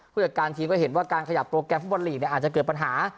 ผู้จัดการทีมก็เห็นว่าการขยับโปรแกรมฟุตบอลลีกอาจจะเกิดปัญหา